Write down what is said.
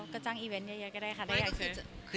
ก็จ้างอีเว้นต์เยอะก็ได้ค่ะได้อย่างนี้คือ